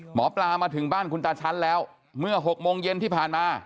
หมอปลามาถึงบ้านคุณตาชั้นแล้วเมื่อ๖โมงเย็นที่ผ่านมา